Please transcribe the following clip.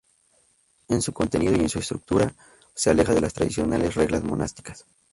En su contenido y en su estructura se aleja de las tradicionales reglas monásticas.